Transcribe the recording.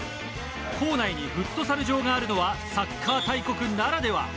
校内にフットサル場があるのはサッカー大国ならでは。